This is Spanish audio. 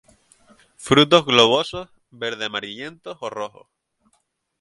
Frutos globosos, verde- amarillentos o rojos.